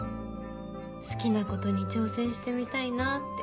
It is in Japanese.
好きなことに挑戦してみたいなって。